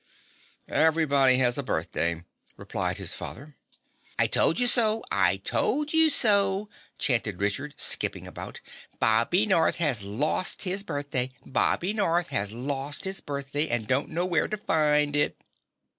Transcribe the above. "Everybody has a birthday," replied his father. "I told you so! I told you so!" chanted Richard, skipping about. "Bobby North has lost his birthday! Bobby North has lost his birthday and don't know where to find it!"